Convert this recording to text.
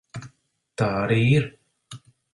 Tā arī ir.